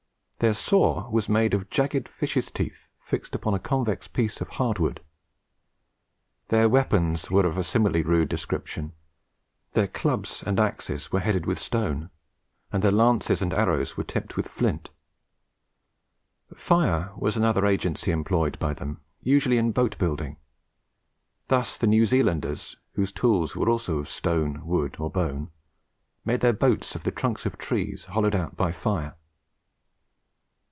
Their saw was made of jagged fishes' teeth fixed on the convex edge of a piece of hard wood. Their weapons were of a similarly rude description; their clubs and axes were headed with stone, and their lances and arrows were tipped with flint. Fire was another agency employed by them, usually in boat building. Thus, the New Zealanders, whose tools were also of stone, wood, or bone, made their boats of the trunks of trees hollowed out by fire.